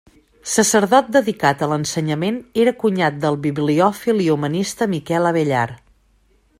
Sacerdot dedicat a l'ensenyament, era cunyat del bibliòfil i humanista Miquel Abellar.